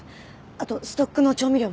あとストックの調味料も。